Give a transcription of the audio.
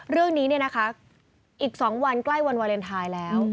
เรื่องนี้อีก๒วันใกล้วันวาเลนไทยแล้ว